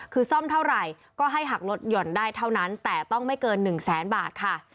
คือซ่อมเท่าไหร่ก็ให้หักลดหย่อนได้เท่านั้นแต่ต้องไม่เกิน๑แสนบาทค่ะ